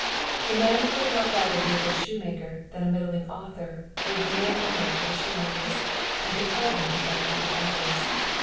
The man who would not rather be a good shoemaker than a middling author would be no honor to the shoemakers, and can hardly be any to the authors.